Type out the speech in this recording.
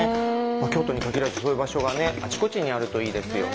京都に限らずそういう場所があちこちにあるといいですよね。